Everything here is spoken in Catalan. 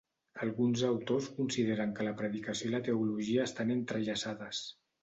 Alguns autors consideren que la predicació i la teologia estan entrellaçades.